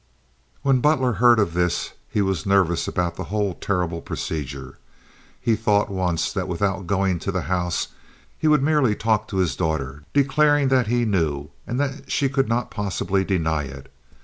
When Butler heard of this he was nervous about the whole terrible procedure. He thought once that without going to the house he would merely talk to his daughter declaring that he knew and that she could not possibly deny it.